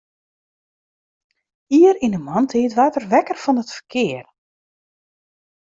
Ier yn 'e moarntiid waard er wekker fan it ferkear.